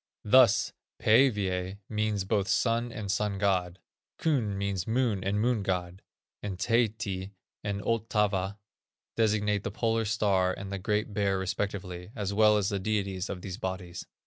Thus, Pæivæ means both sun and sun god; Kun means moon and moon god; and Taehti and Ottava designate the Polar star and the Great Bear respectively, as well as the deities of these bodies.